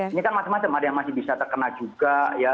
ini kan macam macam ada yang masih bisa terkena juga ya